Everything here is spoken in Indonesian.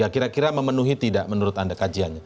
kira kira memenuhi tidak menurut anda kajiannya